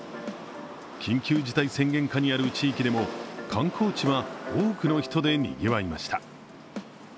緊急事態宣言下にある地域でも観光地は多くの人でにぎわいました。